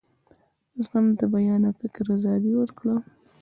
زغم د بیان او فکر آزادي ورکړه.